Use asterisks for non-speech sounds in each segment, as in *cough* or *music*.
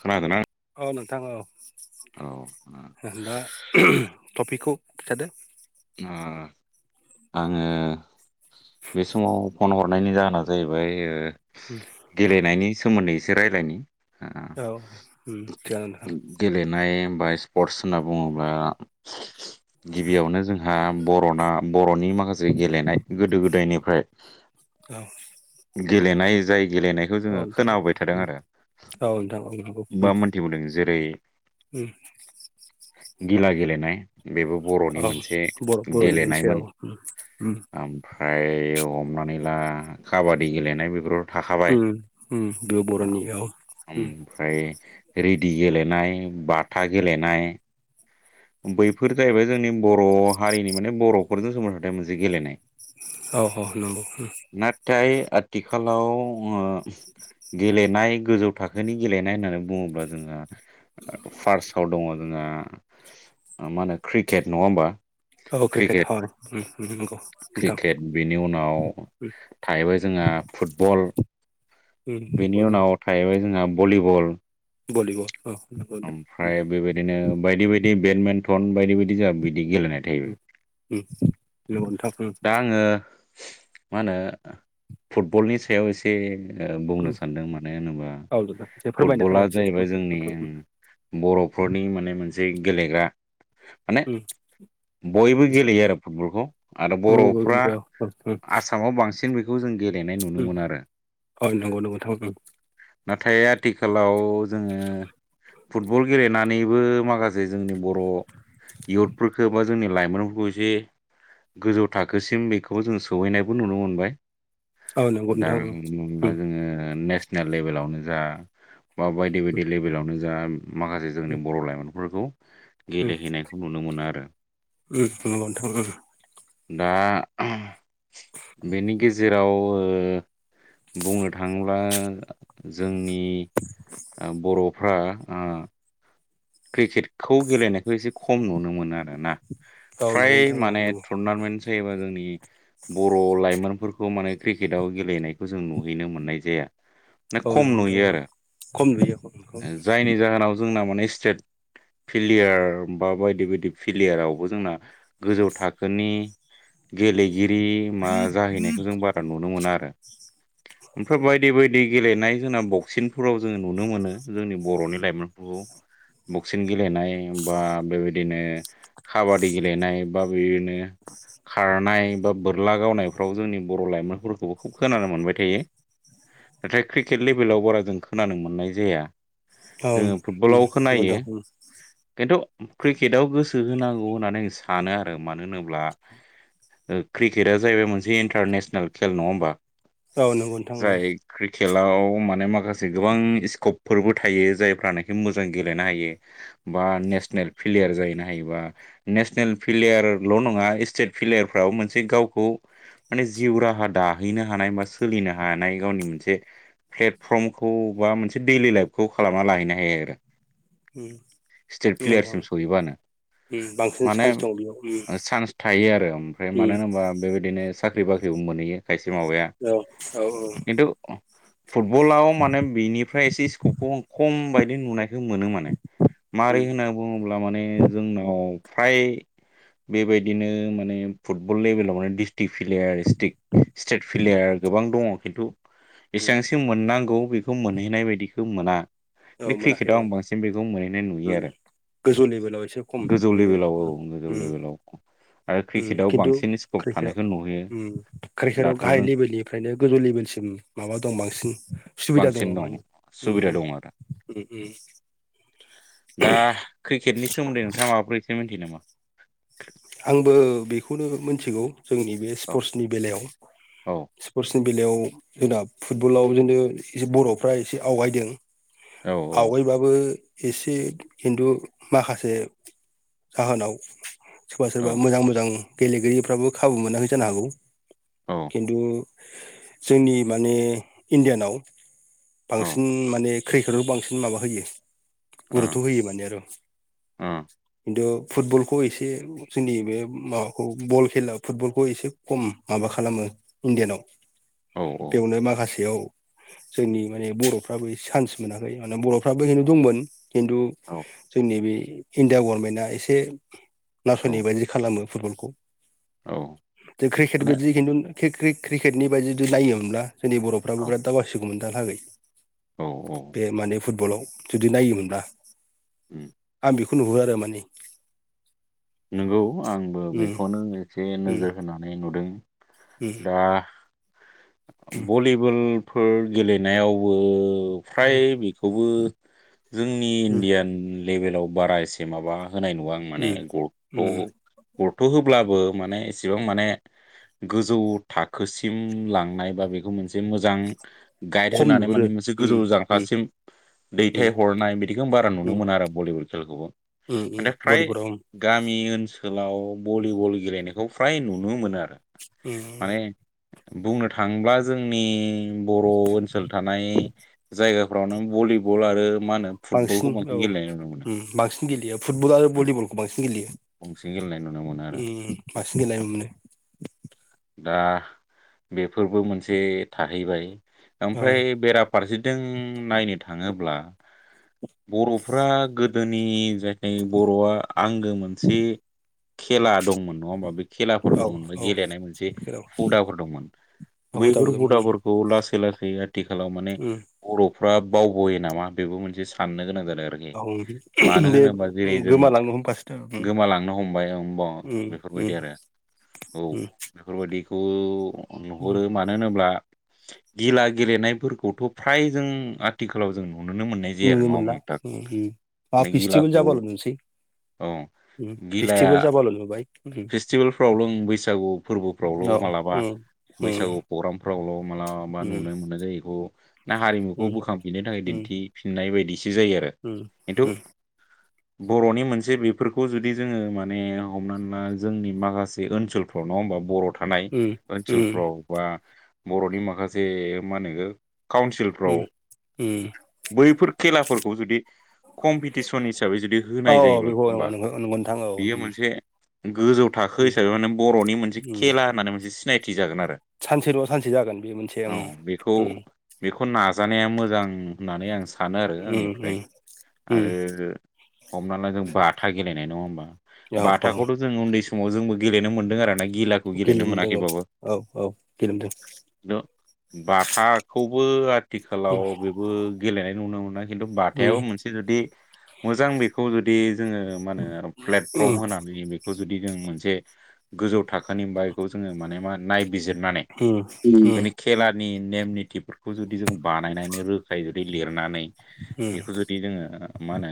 खोनादोंना औ नोंथां औ औ नोंथाङा टपिकखौ खिथादो ओ आङो बे समाव फन हरनायनि जाहोना जाहैबाय ओ उम गेलेनायनि सोमोन्दै एसे रायज्लायनि औ उम जागोन नोंथां गेलेनाय बा स्पर्टस होनना बुङोब्ला गिबियावनो जों ना बर'ना बर'नि माखासे गेलेनाय गोदो गोदायनिफ्राय औ गेलेनाय जाय गेलेनायखौ जोङो औ खोनाबोबाय थादों आरो औ नोंथां उम औ नोंथां औ नंगौ बा मोनथिबोदों जेरै उम उम गिला गेलेनाय बेबो बर'नि औ मोनसे बर' बर'नि मोनसे औ फ्राय हमनानै ला काबादि गेलेनाय बेफोर थाखाबाय बेयो औ बर'नि उम ओमफ्राय रेदि गेलेनाय बाथा गेलेनाय बैफोर जाहैबाय जोंनि बर' हारिनि माने बर'फोरजों सोमोन्दो थानाय मोनसे गेलेनाय। औ औ नंगौ नाथाय आथिखालाव गेलेनाय गोजौ थाखोनि गेलेनाय होन्नानै बुङोब्ला जोंहा फार्स दङ जोंना मा होनो क्रिकेट नङा होमबा? औ क्रिकेट उम उम नंगौ। क्रिकेट बेनि उनाव उम थाहैबाय जोंहा फुटबल उम बेनि फुटबल उनाव थाहैबाय जोंहा भलिबल भलिबल औ *unintelligible* ओमफ्राय बेबायदिनो बायदि बायदि बेडमिन्टन बायदि बायदि जा बिदि गेलेनाय उम उम *unintelligible* नंगौ नोंथां उम दा आङो मा होनो फुटबलनि सायाव एसे बुंनो उम सानदों मानो होनोबा औ नोंथां एसे फोरमायना फुटबला होलाय एसे जाहैबाय जोंनि फुटबल उम बर'फोरनि माने मोनसे गेलेग्रा माने उम बयबो गेलेयो आरो फुटबलखौ आरो फुटबल बर'फ्रा औ औ उम आसामाव बांसिन बेखौ जों गेलेनाय नुनो मोन आरो औ नंगौ नंगौ नोंथां ओं नाथाय आथिखालाव जोङो फुटबल गेलेनानैबो माखासे जोंनि बर' इयुथफोरखौ बा जोंनि लाइमोनफोरखौ एसे गोजौ थाखोसिम बेखौ जों सहैनायबो नुनो मोनबाय। औ नंगौ दा नोंथां ओं *unintelligible* मोना उम जोङो नेसनेल लेभेलावनो जा बा बायदि बायदि लेभेलावनो जा माखासे जोंनि बर' लाइमोनफोरखौ उम गेलेहैनायखौ नुनो मोनो आरो। नंगौ नोंथां ओं दा बेनि गेजेराव बुंनो थाङोब्ला जोंनि बर'फ्रा अ क्रिकेटखौ गेलेनायखौ एसे खम नुनो मोनो आरोना औ नंगौ फ्राय नोंथां औ माने नंगौ टुरनामेन्ट जायोबा जोंनि बर' लाइमोनफोरखौ माने क्रिकेटाव गेलेनायखौ जों नुहैनो मोननाय जाया। *unintelligible* औ खम नंगौ नोंथां नुयो ओं खम नुयो औ उम आरो जायनि जाहोनाव जोंना माने *unintelligible* फिलियार बा बायदि बायदि फिलियारावबो जोंना गोजौ थाखोनि गेलेगिरि मा जाहैनायखौ जों बारा नुनो मोना आरो। ओमफ्राय बायदि बायदि गेलेनाय जोंना बक्सिंफोराव जोङो नुनो मोनो जोंनि बर'नि लाइमोनफोरखौ बक्सिं गेलेनाय बा बेबायदिनो काबादि गेलेनाय बा बेदिनो खारनाय बा बोरला गावनायफ्राव जोंनि बर' लाइमोनफोरखौबो खुब खोनानो मोनबाय थायो। नाथाय क्रिकेट लेभेलाव बारा जों खोनानो मोननाय जाया जोङो औ *unintelligible* खिन्थु क्रिकेटआव गोसो होनांगौ होननानै आं सानो आरो मानो होनोब्ला क्रिकेटआ जाहैबाय मोनसे इन्टारनेसनेल नङा होमबा? औ नंगौ नोंथां उम क्रिकेटाव माने माखासे गोबां स्कपफोरबो थायो जायफ्रानोखि मोज जां गेलेनो हायो बा नेसनेल प्लेयार जाहैनो हायोबा नेसनेल प्लेयारल' नङा स्टेट प्लेयारफ्राव मोनसे गावखौ माने जिउ राहा दाहैनो हानाय बा सोलिनो हानाय गावनि मोनसे प्लेटफर्मखौ बा मोनसे दैलि लाइफखौ खालामना लाहैनो हायो आरो। उम स्टेट नंगौ नोंथां प्लेयारसिम सहयोबानो उम बांसिन माने चान्स दं बेयाव उम चान्स थायो आरो ओमफ्राय मानो उम होनोबा बेबायदिनो साख्रि बाख्रिबो मोनहैयो खायसे माबाया औ औ औ खिन्थु फुटबलाव माने बेनिफ्राय एसे स्कपखौ आ खम बायदि नुनायखौ मोनो माने माररै उम होनना बुङोब्ला माने जोंनाव फ्राय बेबायदिनो माने फुटबल लेभेलाव माने डिस्ट्रिक फिलेयार स्टेट प्लेयार गोबां दङ खिन्थु उम एसेसां जों मोननांगौ बेखौ मोनहैनाय बायदिखौ मोना। औ बे मोनाखै क्रिकेटाव औ। आं बांसिन बेखौ मोनहैनाय नुयो उम आरो गोजौ लेभेलाव एसे खम गोजौ बेयो लेभेलाव औ उम। गोजौ लेभेलाव आरो ओम क्रिकेटाव खिन्थु बांसिन स्कप क्रिकेटआव थानायखौ नुहैयो उम क्रिकेटआव दाथ' गाहाय जों लेभेलनिफ्रायनो गोजौ लेभेलसिम माबा दं बांसिन सुबिदा दङ बांसिन दं माने उ सुबिदा दं आरो उ उ उ। दा क्रिकेटनि सोमोन्दै नोंथाङा माबाफोर एसे मिथियो नामा? आंबो बेखौनो मिथिगौ जोंनि बे औ स्पर्टसनि बेलायाव औ स्पर्सनि बेलायाव जोंना फुटबलाव बिदिथनो ए बर'फ्रा एसे आवगायदों औ आवगायबाबो एसे खिन्थु माखासे जाहोनाव सोरबा औ सोरबा मोजां मोजां गेलेगिरिफ्राबो खाबु मोनाखै जानो हागौ। औ। खिन्थु जोंनि माने इण्डियानाव ओ बांसिन माने क्रिकेदआव बांसिन माबा होयो गुरुतथ' होयो माने आरो उम। खिन्थु फुटबलखौ एसे जोंनि बे माबाखौ बल खेला फुटबलखौ एसे खम माबा खालामो। इण्डियानाव बेवनो माखासेयाव जोंनि माने बर'फ्राबो एसे सान्स मोनाखै माने बर'फ्राबो खिन्थु दंमोन खिन्थु औ जोंनि बे इण्डिया गभर्नमेन्टआ एसे औ नासयनाय बायदि खालामो फुटबलखौ। औ क्रिकेट माने बायदि खिन्थु क्रिकेटनि बायदि जुदि नायोमोनब्ला जोंनि बर'फ्राबो औ बिराद दावसिगौमोन दहालागै। औ औ। माने फुटबलाव जुदि नायोमोनब्ला। उम आं बेखौ नुवो आरो माने नंगौ आंबो उम बेखौनो एसे उम नोजोर होनानै नुदों। उम दा उम बलि टेबोलफोर गेलेनायावबो फ्राय बेखौबो जोंनि उम इण्डियान लेभेलाव बारा एसे माबा होनाय नुवा आं माने उम उम गरथ' गरथ' होब्लाबो माने इसेबां माने गोजौ थाखोसिम लांनाय बा बेखौ मोनसे मोजां गाइड खम होनानै नुहुरो माने मोनसे उम गोजौ उम जांख्लासिम उम दैथाय हरनाय बिदिखौ बारा नुनो उम मोना आरो भलिबल खेलखौबो उम उम नाथाय फ्राय भलिबलाव उम गामि ओनसोलाव भलिबल गेलेनायखौ फ्राय नुनो मोना आरो। उम माने बुंनो थाङोब्ला जोंनि बर' ओनसोल थानाय जायगाफ्रावनो भलिबल आरो मा होनो फुटबलखौ बांसिन औ गेलेनाय नुनो मोनो बांसिन गेलेयो फुटबल आरो भलिबलखौ बांसिन गेलेयो। बांसिन गेलेनाय नुनो मोनो आरो उम बांसिन गेलेनाय नुनो मोनो। दा बेफोरबो मोनसे थाहैबाय। ओमफ्राय औ बेराफारसेथिं नायनो थाङोब्ला बर'फ्रा गोदोनि जायथाय बर'आ आंगो मोनसे खेला दंमोन नङा होमबा बे खेलाफोर औ दंमोन बा औ गेलेनाय मोनसे जेराव हुदाफोर दंमोन हुदाबो बैफोर दंमोन हुदाफोर खौ‌ लासै लासै आथिखालाव माने उम बर'फ्रा बावबोयो नामा बेबो मोनसे साननो गोनां जादों आरो। खि औ मानो बे होनोबा जेरै जों *unintelligible* गोमालांनो हमबाय *unintelligible* उम बेफोरबायदि उम आरो औ। उम बेफोरबायदिखौ उम नुहरो मा मानो होनोब्ला गिला गेलेनायफोरखौथ' फ्राय जों आथिखालाव जों नुनोनो मोननाय जायो आरो नुनो नङा होमबा मोनला नोंथां उम उम माबा बे फेस्टिभेल गिलाखौ जाबाल' नुसै औ। उम गिलाया फेस्टिभेल जाबाल' नुबाय उम फेस्टिभेलफ्रावल' ओं बैसागु फोरबोफ्रावल' औ मालाबा उम उम बैसागु प्रग्रामफ्रावल' मालाबा उम नुनो मोननाय जायो बेखौ ना हारिमुखौ उम बोखांफिननो थाखाय उम दिन्थि फिननाय बायदिसो जायो आरो। उम खिन्थु उम। बर'नि मोनसे बे बेफोरखौ जुदि जोंङो माने हमनानै ला जोंनि माखासे ओनसोलफ्राव नङा होमबा बर' थानाय उम उम ओनसोलफ्राव बा बर'नि माखासे मा होनो काउन्सिल उम उम। बैफोर खेलाफोरखौ जुदि कम्पिटिसन हिसाबै जुदि होनाय जायोब्ला *unintelligible* होमबा नोंगौ नोंथां ओ। बियो मोनसे गोजौ थाखो उम हिसाबै माने बर'नि मोनसे खेला होननानै मोनसे सिनायथि जागोन आरो। सानसेल' सानसे जागोन बे मोनसे ओं औ बेखौ उम। बेखौ नाजानाया मोजां उम। होननानै आं सानो आरो उम आंनिफ्राय उम उम आरो हमना ला जों बा बाथा गेलेनाय नङा होमबा औ औ बाथाखौथ' जों उन्दै समाव जोंबो गेलेनो मोनदों आरो ना गिला गेलेनो मोनदों औ औ औ गेलेनो मोनदों। खिन्थु बाथाखौबो आथिखालाव उम बे खौबो गेलेनाय नुनो मोना खिन्थु बाथायाबो उम मोनसे जुदि मोजां बेखौ जुदि जोङो मा होनो आरो प्लेटफर्म उम होनानै बे खौ जुदि जों मोनसे गोजौ थाखोनिबा बेखौ जोंङो माने मा नायबिजिरनानै उम बेनि खेलानि नेम निथिफोरखौ जुदि जों बानायनानै रोखायै जुदि लिरनानै बेखौ उम जुदि बिदि जोंङो मा होनो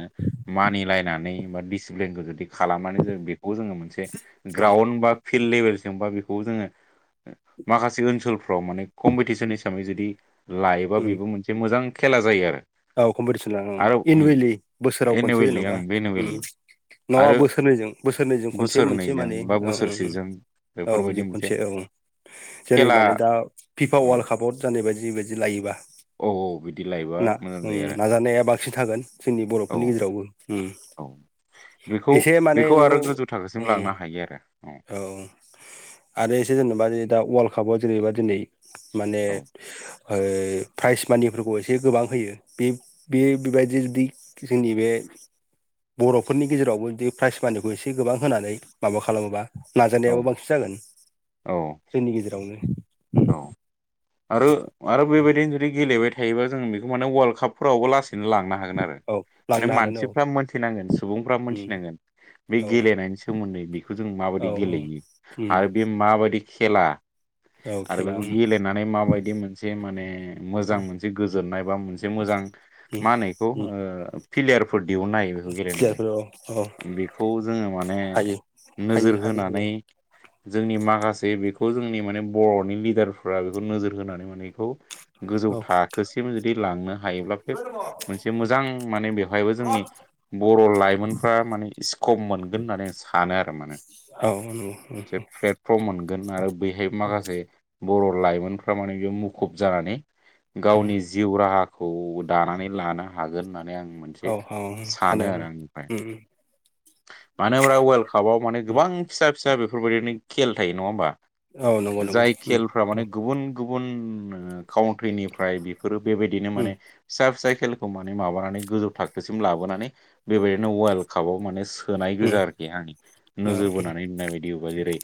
मानिलायनानै बा डिसिप्लिनखौ जुदि खालामनानै जों बेखौ जोंङो मोन ग्राउणड बा फिल्ड लेभेलजों बा बेखौ जोंङो माखासे ओनसोलफ्राव माने कम्पिटिसन हिसाबै जुदि लायोबा उम बेबो मोनसे मोजां खेला जायो आरो। औ कम्पिटिसन लानां ओं आरो एनुवेलि बोसोराव खनसे एनुवेलि ओं जेन'बा उम। एनुवेलि नङाबा आरो बोसोरनैजों बोसोरनैजों खनसे मोनसे बोसोरनैजों मानि बा औ औ उम बोसोरसेजों औ बेफोरबायदि बिदि मोनसे खनसे औ। जेरै खेला माने दा फिफा औ वार्ल्ड कापआव जानाय बायदिबायदि लायोबा औ औ बिदि लायोबा मोजां जायो ओं आरो नाजानाया बांसिन थागोन जोंनि बर'फोरनि औ गेजेरावबो उम औ बेखौ एसे माने बेखौ आरो गोजौ थाखोसिम उम लांनो हायो आरो औ। औ आरो एसे जेनेबा दा वर्ल्ड कापआव जेनेबा दिनै माने है प्राइज मानिफोरखौ एसे गोबां होयो। बे बे बिबायदि बि जोंनि बे बर'फोरनि गेजेरावबो दि प्राइज मानिखौ एसे गोबां होनानै माबा खालामोबा औ नाजानायाबो बांसिन जागोन औ जोंनि गेजेरावनो। औ आरो आरो उम बेबायदिनो जुदि गेलेबाय थायोबा जों बेखौ माने वर्ल्ड कापफोरावबो लासैनो लांनो हागोन आरो। औ माने लांनो हागोन औ मानसिफ्रा मोनथिनांगोन सुबुंफ्रा उम मोनथिनांगोन। बे औ गेलेनायनि सोमोन्दै बेखौ जों औ माबायदि गेलेयो उम आरो बे माबादि खेला औ खेला ओम नानै माबायदि मोनसे माने उम मोजां उम मोनसे गोजोननाय बा मोनसे मोजां उम मा होनो एखौ उम प्लियारफोर दिहुननो हायो बेखौ गेलेनानै प्लेयारफोर औ औ बेखौ जोङो माने हायो हायो नोजोर हायो होनानै हायो जोंनि माखासे बेखौ जोंनि माने बर'नि लिडारफ्रा बेखौ नोजोर होनानै माने बेखौ गोजौ औ थाखोसिम जुदि लांनो हायोब्ला फेफ मोनसे मोजां माने बेवहायबो जोंनि बर' लाइमोनफ्रा माने स्कप मोनगोन होननानै आ सानो आरो माने अ नंगौ ओम ओम फ मोनगोन आरो बैहाय माखासे बर' लाइमोनफ्रा माने बे मुखुब जानानै गावनि औ जिउ राहाखौ दानानै लानो हागोन होननानै आं मोनसे औ औ सानो उम आरो आंनिफ्राय उम मानो होनब्ला वर्ल्ड कापाव माने उम गोबां फिसा फिसा बेफोरबायदिनो खेल थायो नङा होम्बा औ नंगौ नंगौ ओम फ्रा माने गुबुन गुबुन काउन्ट्रिनिफ्राय बेफोरो बेबायदिनो माने फिसा फिसा खेलखौ माने माबानानै गोजौ थाखोसिम लाबोनानै बेबायदिनो वार्ल्ड कापाव माने सो होनाय उम गोजा उम आरोखि आंनि औ नोजोर बोनानै नुनाय बायदि अबावबा जेरै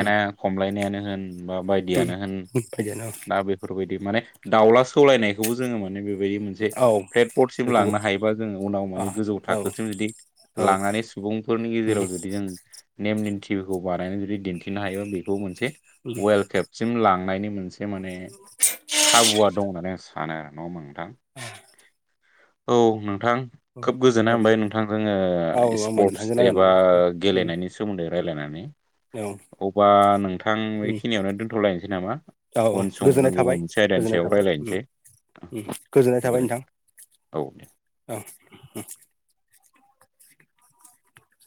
उम खमलायनायानो होन बा बायदियानो होन उम उम फैगोन दा बे बेफोरबायदि माने दाउला सौलायनायखौबो जोङो मो माने बेबायदि मोनसे औ औ प्लेटफरसिम बेखौबो लांनो हायोबा जोङो उनाव आ माने गोजौ औ थाखोसिम जुदि उम लांनानै सुबुंफोरनि गेजेराव जुदि जों नेम निन्थिखौ बानायनानै जुदि दिन्थिनो हायोबा बेखौ मोनसे *unintelligible* वेलकेबसिम लांनायनि मोनसे माने खा खाबुआ दं होननानै आं सानो आरो नङा होम्बा नोंथां *unintelligible* औ नोंथां उम खोब गोजोननाय औ मोनबाय नोंथां जोङो आंबो स्पर्टस नोंथांजों एबा रायलायनानै उम उम गेलेनायनि सोमोन्दै रायजलायनानै औ अबा नोंथां उम बेखिनियावनो दोनथ'लायनोसै नामा औ औ उन समाव जों गोजोननाय गुबुन थाबाय मोनसे आयदानि गोजोननाय सायाव थाबाय ओम रायलायनोसै ओम गोजोननाय थाबाय नोंथां औ औ ओम।